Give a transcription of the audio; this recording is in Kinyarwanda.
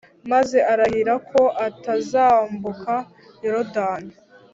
maze arahira ko ntazambuka Yorodani